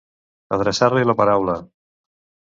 Adreçar-li la paraula.